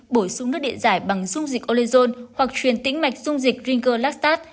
bổ sung nước địa giải bằng dung dịch olezon hoặc truyền tĩnh mạch dung dịch ringelastat